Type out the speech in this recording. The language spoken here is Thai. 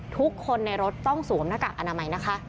ทุกคนในรถต้องสวมหน้ากากอนามัยนะคะ